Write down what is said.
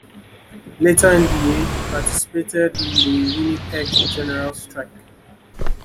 Later in the year, he participated in the Winnipeg General Strike.